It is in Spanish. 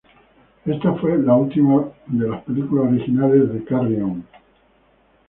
Esta fue la última de las películas originales de "Carry On".